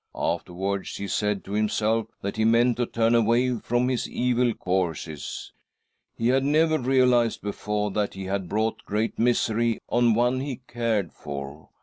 Afterwards he said to himself that he meant to turn away from his evil courses. He had never realised before that he had brought great misery on one he cared for.